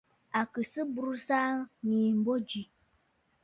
À kɨ sɨ bùrə̀sə̀ aà ŋ̀ŋèə mbô mi.